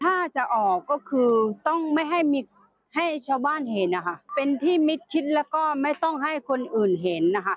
ถ้าจะออกก็คือต้องไม่ให้มีให้ชาวบ้านเห็นนะคะเป็นที่มิดชิดแล้วก็ไม่ต้องให้คนอื่นเห็นนะคะ